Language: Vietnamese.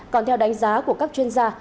còn theo đánh giá của các chuyên gia